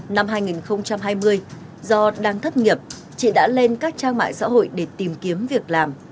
năm hai nghìn hai mươi do đang thất nghiệp chị đã lên các trang mạng xã hội để tìm kiếm việc làm